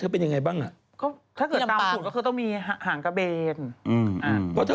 แต่ยิงใกล้มากเนี่ยเนอะ